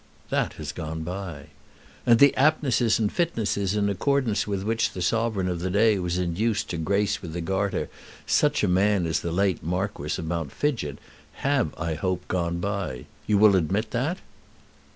"That has gone by." "And the aptnesses and fitnesses in accordance with which the sovereign of the day was induced to grace with the Garter such a man as the late Marquis of Mount Fidgett have, I hope, gone by. You will admit that?"